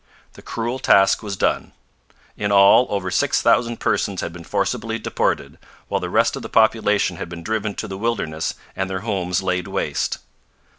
The cruel task was done. In all, over six thousand persons had been forcibly deported, while the rest of the population had been driven to the wilderness and their homes laid waste.